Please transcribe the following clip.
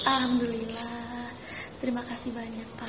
alhamdulillah terima kasih banyak pak